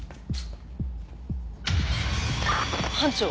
班長。